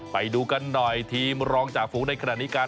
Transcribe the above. ไปดูกันหน่อยทีมรองจ่าฝูงในขณะนี้กัน